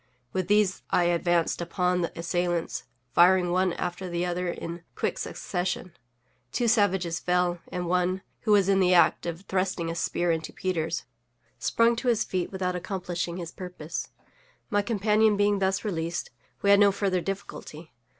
With these I advanced upon the assailants, firing one after the other in quick succession. Two savages fell, and one, who was in the act of thrusting a spear into Peters, sprung to his feet without accomplishing his purpose. My companion being thus released, we had no further difficulty.